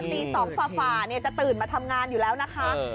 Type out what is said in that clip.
ตี๒ฝ่าจะตื่นมาทำงานอยู่แล้วนะคะ